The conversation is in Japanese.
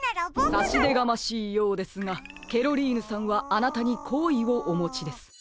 さしでがましいようですがケロリーヌさんはあなたにこういをおもちです。